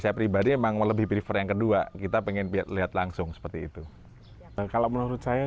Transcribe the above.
saya pribadi emang lebih prefer yang kedua kita pengen lihat langsung seperti itu kalau menurut saya